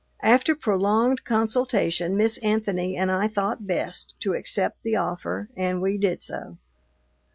After prolonged consultation Miss Anthony and I thought best to accept the offer and we did so.